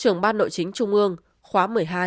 trưởng ban nội chính trung ương khóa một mươi hai một mươi ba